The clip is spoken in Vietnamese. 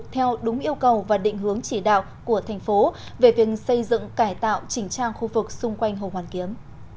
theo đúng yêu cầu và định hướng chỉ đạo của thành phố về việc xây dựng cải tạo chỉnh trang khu vực xung quanh hồ hoàn kiếm